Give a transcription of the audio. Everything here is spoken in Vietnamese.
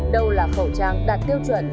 đâu là khẩu trang đạt tiêu chuẩn